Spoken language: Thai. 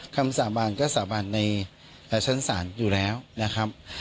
คำสาบานก็สาบานในชั้นศาลอยู่แล้วนะครับ